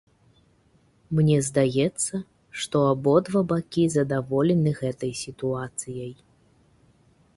Мне здаецца, што абодва бакі задаволены гэтай сітуацыяй.